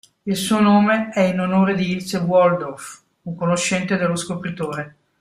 Il suo nome è in onore di Ilse Waldorf, una conoscente dello scopritore.